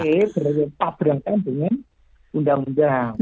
karena pp berada di tabri yang penting undang undang